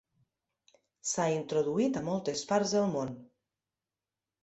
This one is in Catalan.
S'ha introduït a moltes parts del món.